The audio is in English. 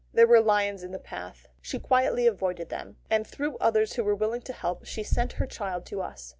There were lions in the path. She quietly avoided them, and through others who were willing to help she sent her child to us.